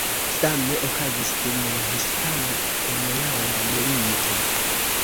Same okazis dum la Hispana Enlanda Milito.